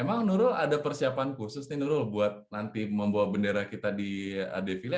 emang nurul ada persiapan khusus nih nurul buat nanti membawa bendera kita di defile